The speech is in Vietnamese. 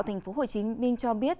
tp hcm cho biết